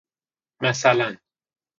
مثلاً